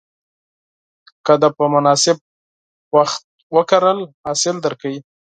که دې په مناسب مهال وکرل، حاصل درکوي.